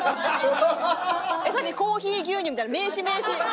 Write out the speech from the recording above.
さっき「コーヒー牛乳」みたいな名詞名詞。